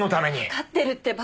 わかってるってば。